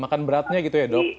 makan beratnya gitu ya dok